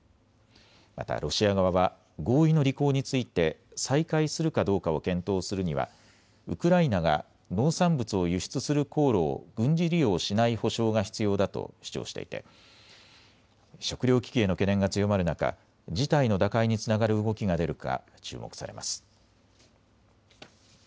またロシア側は合意の履行について再開するかどうかを検討するにはウクライナが農産物を輸出する航路を軍事利用しない保証が必要だと主張していて食料危機への懸念が強まる中、事態の打開につながる動きが出るか注目されます。